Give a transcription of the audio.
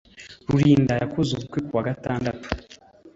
rulinda yakoze ubukwe kuwa gatandatu